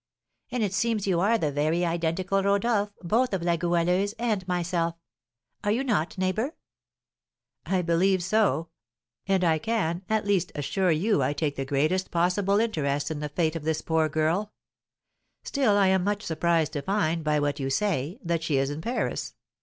And it seems you are the very identical Rodolph both of La Goualeuse and myself. Are you not, neighbour?" "I believe so; and I can, at least, assure you I take the greatest possible interest in the fate of this poor girl, still I am much surprised to find, by what you say, that she is in Paris.